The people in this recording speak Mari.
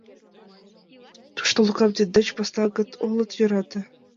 Тушто Лукам тиддеч поснат огыт йӧрате.